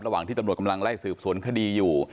ระหว่างที่ตำรวจกำลังไล่สืบสวนคดีอยู่